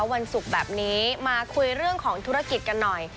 วันศุกร์แบบนี้มาคุยเรื่องของธุรกิจกันหน่อย